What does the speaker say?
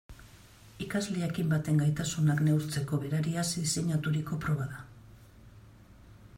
Ikasle jakin baten gaitasunak neurtzeko berariaz diseinaturiko proba da.